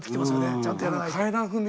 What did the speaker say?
ちゃんとやらないと。